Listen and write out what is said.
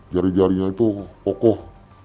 jari jarinya itu kokoh